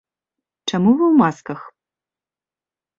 Чаму вы ў масках?